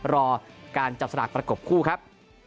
รอการจับสลากประกบคู่ครับ